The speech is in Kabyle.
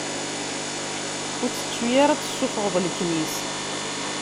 Ur tettu ara ad tessufɣeḍ leknis!